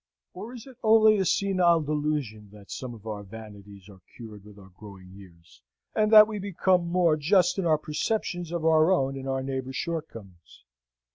Or is it only a senile delusion, that some of our vanities are cured with our growing years, and that we become more just in our perceptions of our own and our neighbour's shortcomings?